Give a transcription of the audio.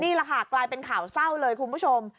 นี่แหละค่ะกลายเป็นข่าวเศร้าเลยคุณผู้ชม